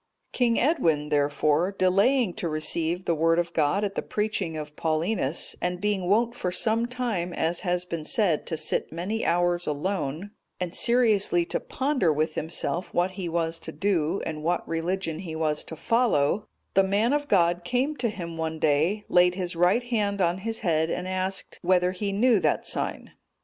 King Edwin, therefore, delaying to receive the Word of God at the preaching of Paulinus, and being wont for some time, as has been said, to sit many hours alone, and seriously to ponder with himself what he was to do, and what religion he was to follow, the man of God came to him one day, laid his right hand on his head, and asked, whether he knew that sign?